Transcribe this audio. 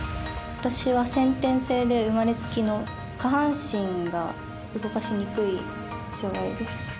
私は先天性で生まれつきの下半身が動かしにくい障がいです。